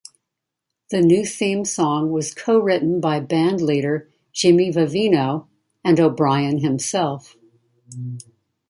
The new theme song was co-written by bandleader Jimmy Vivino, and O'Brien himself.